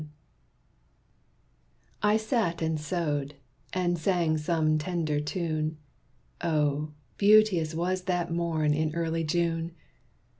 _ I sat and sewed, and sang some tender tune, Oh, beauteous was that morn in early June!